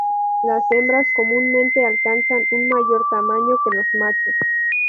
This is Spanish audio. Las hembras comúnmente alcanzan un mayor tamaño que los machos.